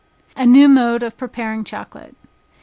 A New Mode of Preparing Chocolate.